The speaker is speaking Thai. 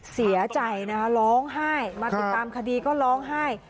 เสียใจนะคะร้องไห้มาติดตามคดีก็ร้องไห้